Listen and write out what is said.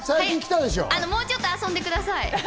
もうちょっと遊んでください。